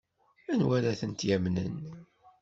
Anwa ara tent-yamnen?